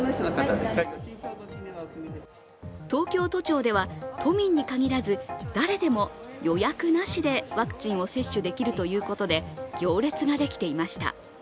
東京都庁では都民に限らず誰でも予約なしでワクチンを接種できるということで行列ができていました。